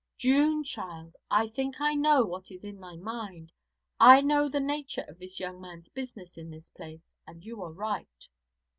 'June, child, I think I know what is in thy mind; I know the nature of this young man's business in this place, and you are right.